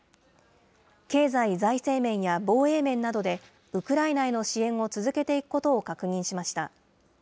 経済・財政面や防衛面などで、ウクライナへの支援を続けていくことを確認しました。